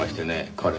彼。